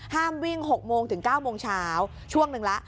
ห้ามวิ่ง๖โมงถึง๙โมงเช้าช่วงหนึ่งละ